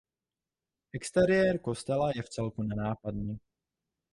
Exteriér kostela je vcelku nenápadný.